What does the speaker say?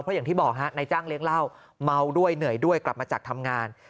เพราะอย่างที่บอกฮะนายจ้างเลี้ยงเหล้าเมาด้วยเหนื่อยด้วยกลับมาจากทำงาน